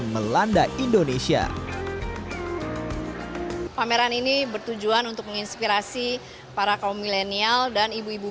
melanda indonesia pameran ini bertujuan untuk menginspirasi para kaum milenial dan ibu ibu